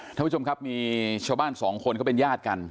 ท่านผู้ชมครับมีชาวบ้านสองคนเขาเป็นญาติกัน